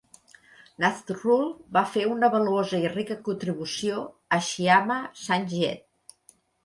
Nazrul va fer una valuosa i rica contribució a Shyama Sangeet.